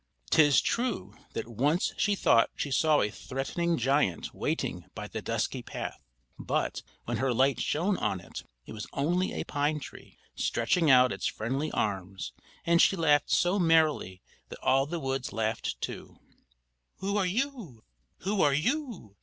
'T is true that once she thought she saw a threatening giant waiting by the dusky path; but, when her light shone on it, it was only a pine tree, stretching out its friendly arms; and she laughed so merrily that all the woods laughed too. "Who are you? Who are you?"